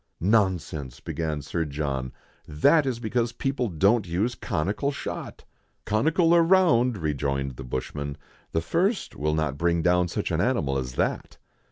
"Nonsense!" began Sir John, "that is because people don't use conical shot." "Conical or round," rejoined the bushman, " the first will not bring down such an animal as that."